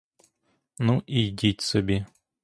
Ну, і йдіть собі.